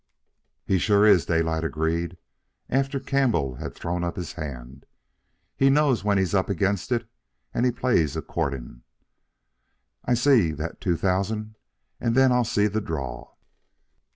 "He sure is," Daylight agreed, after Campbell had thrown up his hand. "He knows when he's up against it, and he plays accordin'. I see that two thousand, and then I'll see the draw."